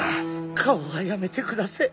顔はやめてくだせえ。